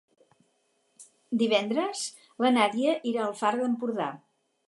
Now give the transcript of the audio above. Divendres na Nàdia irà al Far d'Empordà.